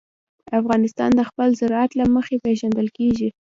افغانستان د خپل زراعت له مخې پېژندل کېږي.